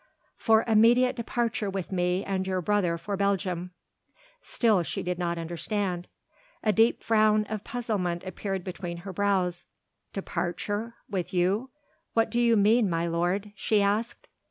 "For immediate departure with me and your brother for Belgium." Still she did not understand. A deep frown of puzzlement appeared between her brows. "Departure? with you? what do you mean, my lord?" she asked.